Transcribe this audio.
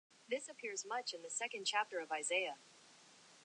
This appears much in the second chapter of Isaiah.